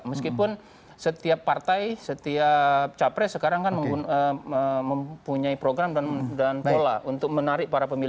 meskipun setiap partai setiap capres sekarang kan mempunyai program dan pola untuk menarik para pemilih